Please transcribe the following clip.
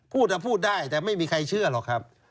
พูดได้แต่ไม่มีใครเชื่อหรอกครับ